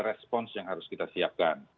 respons yang harus kita siapkan